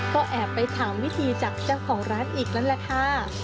ก็แอบไปถามวิธีจากเจ้าของร้านอีกนั่นแหละค่ะ